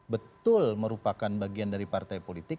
betul merupakan bagian dari partai politik